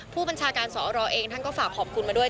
ผู้บัญชาการสอรเองท่านก็ฝากขอบคุณมาด้วย